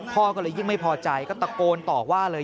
พ่อก็เลยยิ่งไม่พอใจก็ตะโกนต่อว่าเลย